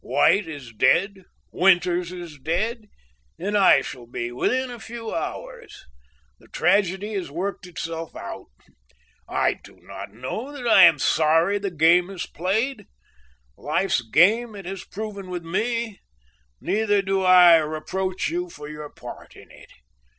White is dead, Winters is dead, and I shall be within a few hours. The tragedy has worked itself out. I do not know that I am sorry the game is played, life's game it has proven with me; neither do I reproach you for your part in it.